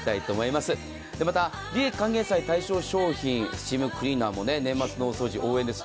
また利益還元祭対象商品スチームクリーナーも年末の大掃除、応援です。